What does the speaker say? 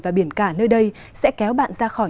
và biển cả nơi đây sẽ kéo bạn ra khỏi